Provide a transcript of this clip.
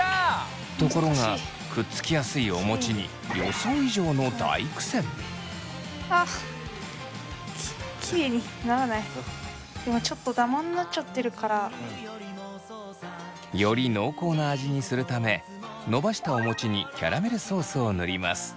ところがくっつきやすいお餅に予想以上の大苦戦！より濃厚な味にするためのばしたお餅にキャラメルソースを塗ります。